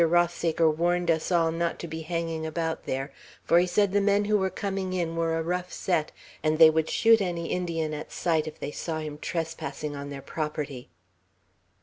Rothsaker warned us all not to be hanging about there; for he said the men who were coming in were a rough set, and they would shoot any Indian at sight, if they saw him trespassing on their property."